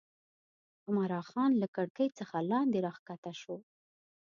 عمرا خان له کړکۍ څخه لاندې راکښته شو.